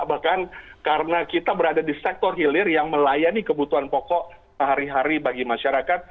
bahkan karena kita berada di sektor hilir yang melayani kebutuhan pokok sehari hari bagi masyarakat